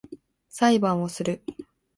裁判をする